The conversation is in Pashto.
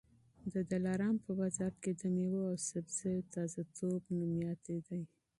د دلارام په بازار کي د مېوو او سبزیو تازه توب مشهور دی.